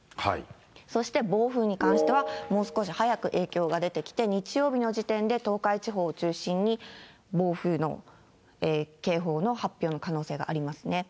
そして暴風に関しては、もう少し早く影響が出てきて、日曜日の時点で、東海地方を中心に暴風の警報の発表の可能性がありますね。